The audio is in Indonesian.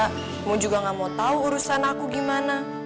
kamu juga gak mau tahu urusan aku gimana